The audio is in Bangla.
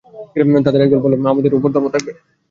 তাদের একদল বলল, আমরা আমাদের ধর্মের উপর থাকব।